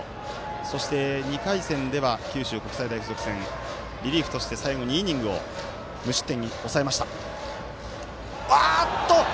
そして２回戦では九州国際大付属戦リリーフとして最後２イニングを無失点に抑えました。